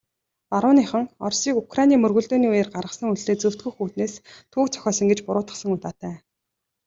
Барууныхан Оросыг Украины мөргөлдөөний үеэр гаргасан үйлдлээ зөвтгөх үүднээс түүх зохиосон гэж буруутгасан удаатай.